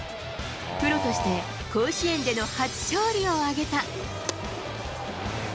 プロとして甲子園での初勝利を挙げた。